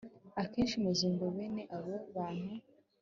Akenshi muzumva bene abo bantu